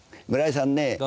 村井さんね